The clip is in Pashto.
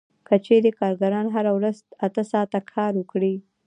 که چېرې کارګران هره ورځ اته ساعته کار وکړي